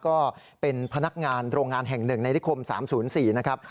ก็เป็นพนักงานโรงงานแห่งหนึ่งในนิคม๓๐๔นะครับ